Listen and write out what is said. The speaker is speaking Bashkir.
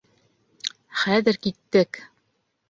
Хәҙер киттек!